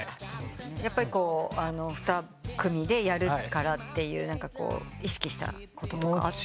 やっぱり２組でやるからって意識したこととかありましたか？